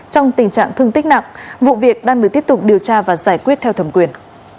trong tình trạng thương tích nặng vụ việc đang được tiếp tục điều tra và giải quyết theo thẩm quyền